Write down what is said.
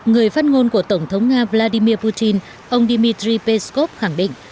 người phát ngôn của tổng thống nga vladimir putin ông dmitry peskov khẳng định